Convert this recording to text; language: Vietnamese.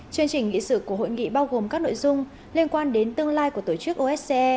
chương trình nghị sự của hội nghị bao gồm các nội dung liên quan đến tương lai của tổ chức osce